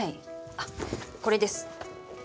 あっこれです。